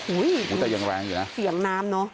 อุ้ยอ๋อแต่จะแยงแรงอยู่น่ะเสียงน้ำเนอะ